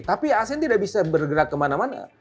tapi asean tidak bisa bergerak kemana mana